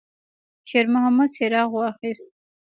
شېرمحمد څراغ واخیست.